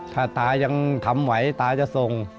ถ้าตายังทำไหวตาจะส่ง